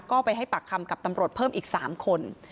ก็ไปให้ปากคำกับตำรวจเพิ่มอีก๓คน